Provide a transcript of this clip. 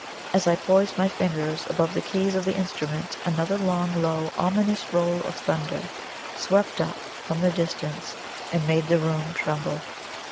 As I poised my fingers above the keys of the instrument, another long, low, ominous roll of thunder swept up from the distance and made the room tremble.